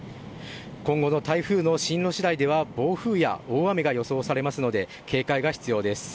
今後の台風の進路次第では暴風や大雨も予想されますので警戒が必要です。